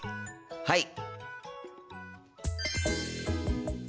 はい！